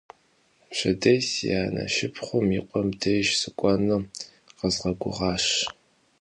Пщэдей си анэ шыпхъум и къуэм деж сыкӀуэну къэзгъэгугъащ.